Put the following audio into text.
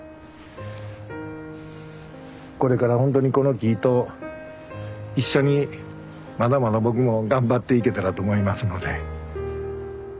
これからほんとにこの木と一緒にまだまだ僕も頑張っていけたらと思いますので。